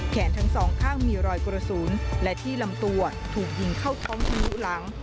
แขนทั้งสองข้างมีรอยกระสุนและที่ลำตัวถูกยิงเข้าท้องทะลุหลัง